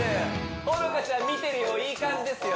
ほのかちゃん見てるよいい感じですよ